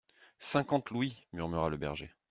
Cinquante louis ! murmura le berger.